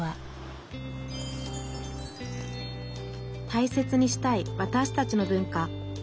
大切にしたいわたしたちの文化。